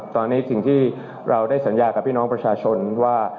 ตอนนี้สิ่งที่เราได้สัญญากับพี่น้องประชาชนว่า